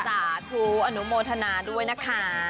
อันนุโมธนาด้วยนะคะ